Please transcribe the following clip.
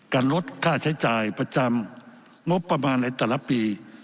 ลดค่าใช้จ่ายประจำงบประมาณในแต่ละปี